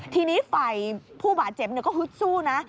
ทีนี้ฝ่ายผู้บาดเจ็บก็ฮึดสู้นะ